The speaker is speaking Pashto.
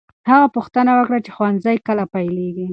هغه پوښتنه وکړه چې ښوونځی کله پیلېږي.